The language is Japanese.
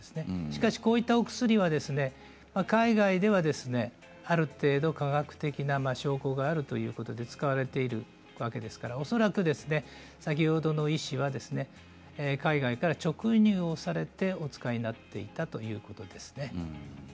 しかし、こういったお薬は海外ではある程度科学的な証拠があるということで使われているわけですから恐らく先ほどの医師は海外から直輸入をされてお使いになっていたということですね。